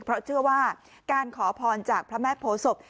เพราะเชื่อว่าการขอพรจากพระแม่โพศพ